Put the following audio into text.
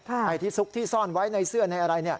ไอ้ที่ซุกที่ซ่อนไว้ในเสื้อในอะไร